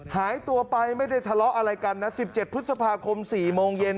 หายตัวไปไม่ได้ทะเลาะอะไรกันนะ๑๗พฤษภาคม๔โมงเย็น